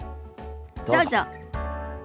どうぞ。